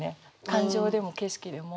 感情でも景色でも。